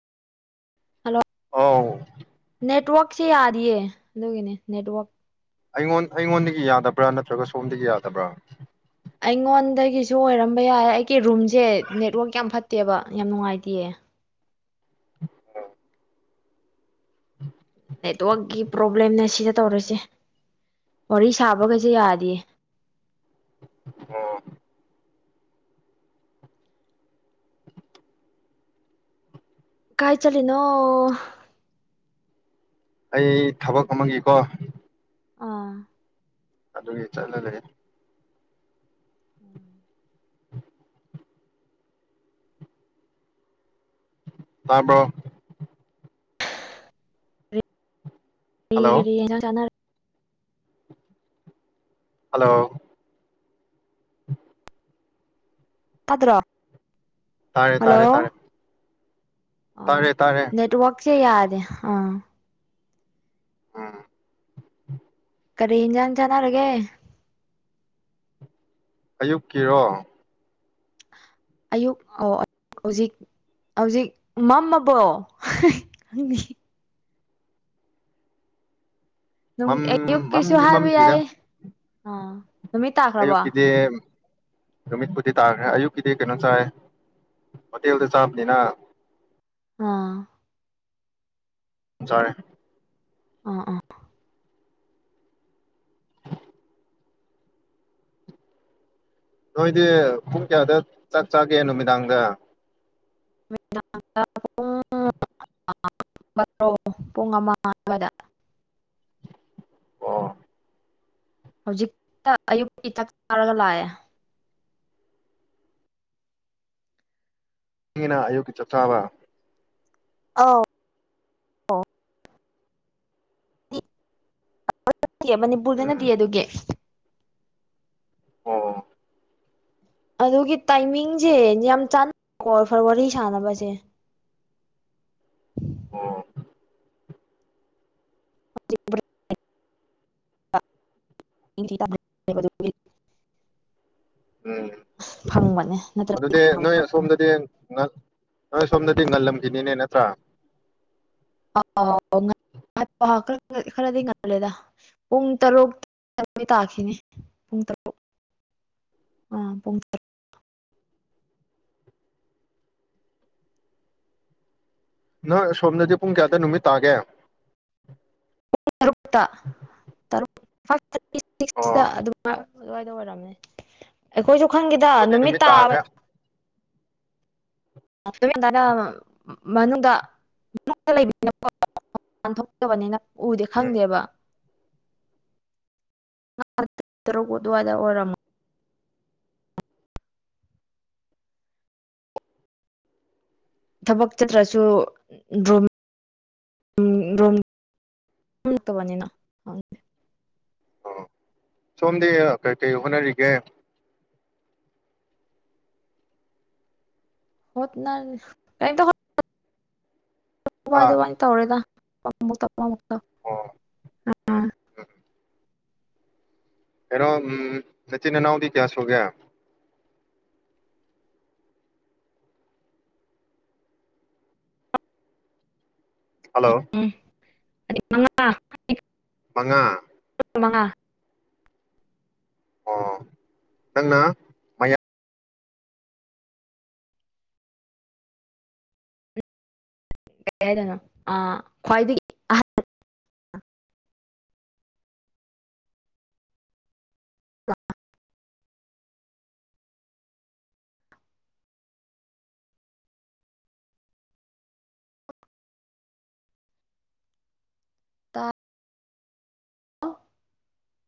Hello ꯑꯥꯎ ꯅꯦꯠꯋꯥꯛꯁꯦ ꯌꯥꯗꯤꯌꯦ ꯑꯗꯨꯒꯤꯅꯦ ꯅꯦꯠꯋꯥꯛ꯫ ꯑꯩꯉꯣꯟ ꯑꯩꯉꯣꯟꯗꯒꯤ ꯌꯥꯗꯕ꯭ꯔꯥ ꯅꯠꯇ꯭ꯔꯒ ꯁꯣꯝꯗꯒꯤ ꯌꯥꯗꯕ꯭ꯔꯥ ꯑꯩꯉꯣꯟꯗꯒꯤꯁꯨ ꯑꯣꯏꯔꯝꯕ ꯌꯥꯏ ꯑꯩꯒꯤ ꯔꯨꯝꯁꯦ ꯅꯦꯠꯋꯔꯛ ꯌꯥꯝ ꯐꯠꯇꯦꯕ ꯌꯥꯝ ꯅꯨꯡꯉꯥꯏꯇꯤꯌꯦ꯫ ꯑ ꯅꯦꯠꯋꯛꯀꯤ ꯄ꯭ꯔꯣꯕ꯭ꯂꯦꯝꯅ ꯁꯤꯗ ꯇꯧꯔꯁꯦ ꯋꯥꯔꯤ ꯁꯥꯕꯒꯩꯁꯨ ꯌꯥꯗꯦꯌꯦ ꯑ ꯀꯥꯏ ꯆꯂꯤꯅꯣ ꯑꯩ ꯊꯕꯛ ꯑꯃꯒꯤꯀꯣ ꯑꯥ ꯑꯗꯨꯒꯤ ꯆꯠꯂꯅꯦꯦ ꯎꯝ ꯇꯔꯕ ꯀꯔꯤ ꯍꯜꯂꯣ ꯀꯔꯤ ꯌꯦꯟꯁꯪ ꯆꯥꯅꯔꯦ ꯍꯜꯂꯣ꯫ [unintelligible] ꯑꯗꯨꯗ꯭ꯔꯣ ꯇꯥꯔꯦ ꯇꯥꯔꯦ ꯇꯥꯔꯦ ꯑ ꯇꯥꯔꯦ ꯇꯥꯔꯦ ꯅꯦꯠꯋꯛꯁ ꯌꯥꯗ ꯗ ꯑꯥ ꯎꯝ ꯀꯔꯤ ꯏꯟꯖꯟꯁꯅꯒꯦ ꯑꯌꯨꯛꯀꯤꯔꯣ ꯑꯌꯨꯛ ꯑꯣ ꯍꯧꯖꯤꯛ ꯍꯧꯖꯤꯛ ꯃꯝꯑꯕꫭ꯫ ꯑꯗꯨꯝ ꯃꯝ ꯑꯌꯨꯛꯀꯤꯁꯨ ꯃꯝꯗꯤ ꯍꯥꯏꯕ ꯌꯥꯏ ꯑꯥ ꯅꯨꯃꯤꯠ ꯑꯌꯣ ꯇꯥꯈ꯭ꯔꯕꯣ ꯀꯗꯦ ꯅꯨꯃꯤꯠꯄꯨꯗꯤ ꯇꯥꯈ꯭ꯔꯦ ꯑꯌꯨꯛꯀꯤꯗꯤ ꯀꯩꯅꯣ ꯆꯥꯏ ꯍꯣꯇꯦꯜꯗ ꯆꯥꯕꯅꯤꯅ ꯑꯥ ꯆꯔꯦ ꯑꯥ ꯑꯥ ꯅꯣꯏꯗꯤ ꯄꯨꯡ ꯀꯌꯥꯗ ꯆꯥꯛ ꯆꯥꯒꯦ ꯅꯨꯃꯤꯗꯥꯡꯗ ꯣ ꯄꯨꯡꯉꯃꯕꯗ ꯑ ꯍꯧꯖꯤꯛꯇ ꯑꯌꯨꯛꯛꯇꯀꯤꯥꯛ ꯆꯥꯔꯒ ꯂꯥꯛꯑꯦ ꯌꯦꯉꯅꯥ ꯑꯌꯨꯒꯤ ꯆꯆꯥꯋꯥ ꯑꯥꯎ ꯎꯝ ꯃꯅꯤꯄꯨꯔꯗꯅꯗꯤ ꯑꯗꯨꯒꯤ ꯑ ꯑꯗꯨꯒꯤ ꯇꯥꯏꯃꯤꯡꯁꯦ ꯌꯥꯝ ꯆꯥꯟꯅ ꯐꯔ ꯋꯥꯔꯤ ꯁꯥꯟꯅꯕꯁꯦ ꯑꯣ [unintelligible] ꯎꯝ ꯐꯪꯕꯅꯦ ꯅꯠꯇ꯭ꯔ ꯑꯗꯨꯗꯤ ꯅꯣꯏ ꯑꯁꯣꯝꯗꯗꯤ ꯅꯣꯏ ꯁꯣꯝꯗꯗꯤ ꯉꯜꯂꯝꯒꯦ ꯏꯅꯤꯅꯦ ꯅꯠꯇ꯭ꯔꯥ ꯑ ꯈꯔꯗꯤ ꯉꯜꯂꯦꯗ ꯄꯨꯡ ꯇꯔꯨꯛ ꯇꯥꯈꯤꯅꯤ ꯄꯨꯡ ꯇꯔꯨꯛ ꯑꯥ ꯄꯨꯡ ꯇꯔꯨꯛ ꯅꯍ ꯁꯣꯝꯅꯗꯤ ꯄꯨꯡ ꯀꯌꯥꯗ ꯅꯨꯃꯤꯠ ꯇꯥꯒꯦ ꯇꯔꯨꯔꯨ ꯐꯁ ꯊꯥꯔꯇꯤ ꯁꯤꯛꯁꯇ ꯑꯩꯈꯣꯏꯗꯤ ꯑꯗꯨꯃ ꯑꯗꯨꯋꯥꯏꯗ ꯑꯣꯏꯔꯝꯅꯤ ꯑꯩꯈꯣꯏꯁꯨ ꯋꯥꯈꯪꯒꯤꯗ ꯅꯨꯃꯤꯠ ꯇꯥꯕ ꯅ ꯃꯅꯨꯡꯗꯕꯅꯤꯅ ꯎꯗꯤꯦ ꯎꯝ ꯈꯪꯗꯦꯕ ꯔꯗ ꯋꯥꯗ ꯑꯣꯏꯔꯃ ꯊꯕꯛ ꯆꯠꯇ꯭ꯔꯁꯨꯝꯣꯝꯕꯅꯤꯅ ꯑꯣ ꯁꯣꯝꯗꯤ ꯀꯩꯀꯔꯤ ꯍꯣꯠꯅꯔꯤꯒꯦ ꯍꯠꯅ ꯀ ꯍꯥ ꯇ ꯗ ꯋꯥꯅꯤ ꯇꯧꯔꯦꯗ ꯑꯣ [unintelligible] ꯃ ꯑ ꯀꯔꯣ ꯎꯝ ꯅꯆꯤꯅꯅꯥꯎꯕꯤ ꯀꯌꯥꯁꯣꯒ ꯍꯜꯂꯣ ꯉ ꯃꯉꯥ ꯁꯃꯉ ꯑꯣ ꯅꯪꯅ ꯀ ꯍꯥꯏꯗꯅꯣ ꯑ ꯈ꯭ꯋꯥꯏꯗꯒꯤ ꯇ